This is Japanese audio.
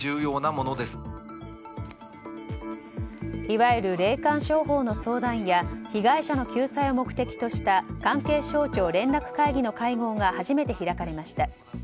いわゆる霊感商法の相談や被害者の救済を目的とした関係省庁連絡会議の会合が初めて開かれました。